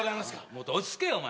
もっと落ち着けよお前。